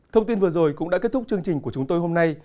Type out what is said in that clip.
thông tin vừa rồi cũng đã kết thúc chương trình của chúng tôi hôm nay